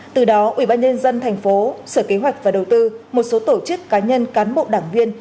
từ đó ủy ban nhân dân tp sở kế hoạch và đầu tư một số tổ chức cá nhân cán bộ đảng viên